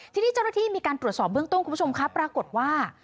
ทีนี้เจ้าหน้าที่มีการตรวจสอบเบื้องต้นคุณผู้ชมครับปรากฏว่า